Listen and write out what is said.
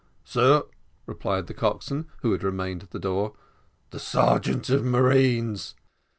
"Sir," replied the coxswain, who had remained at the door. "The sergeant of marines."